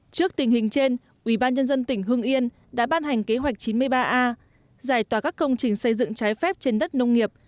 trước tình hình trên ủy ban nhân dân tỉnh hưng yên đã ban hành kế hoạch chín mươi ba a giải tỏa các công trình xây dựng trái phép trên đất nông nghiệp